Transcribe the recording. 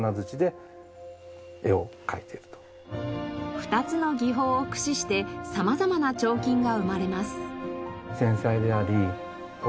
２つの技法を駆使して様々な彫金が生まれます。